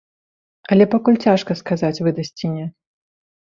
Але пакуль цяжка сказаць, выдасць ці не.